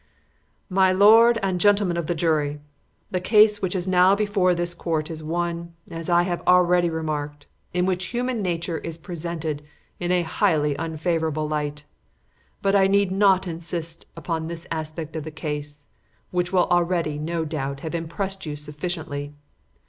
"My lord and gentlemen of the jury: The case which is now before this Court is one, as I have already remarked, in which human nature is presented in a highly unfavourable light. But I need not insist upon this aspect of the case, which will already, no doubt, have impressed you sufficiently.